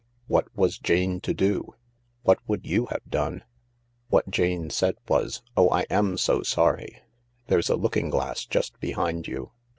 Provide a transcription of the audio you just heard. " What was Jane to do ? What would you have done ? 280 THE LARK What Jane said was :" Oh, I am so sorry. There's a looking glass just behind you."